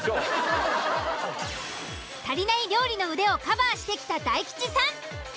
足りない料理の腕をカバーしてきた大吉さん。